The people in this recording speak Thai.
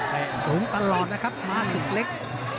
สูงตลอดนะครับม้าศึกเล็ก